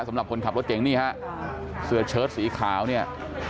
สำหรับคนขับรถเก่งนี่ฮะเสื้อเชิดสีขาวเนี่ย